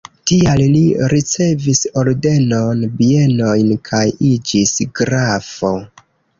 Tial li ricevis ordenon, bienojn kaj iĝis grafo.